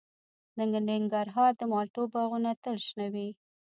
د ننګرهار د مالټو باغونه تل شنه وي.